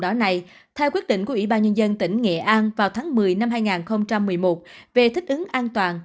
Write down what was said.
đỏ này theo quyết định của ủy ban nhân dân tỉnh nghệ an vào tháng một mươi năm hai nghìn một mươi một về thích ứng an toàn